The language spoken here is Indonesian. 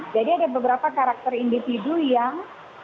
jadi ada beberapa karakter individu yang